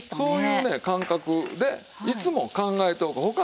そういうね感覚でいつも考えておく。